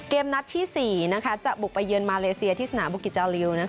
นัดที่๔จะบุกไปเยือนมาเลเซียที่สนามบุกิจจาริว